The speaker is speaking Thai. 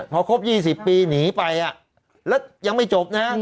พอครบ๒๐ปีหนีไปแล้วยังไม่จบนะ